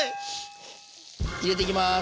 入れていきます。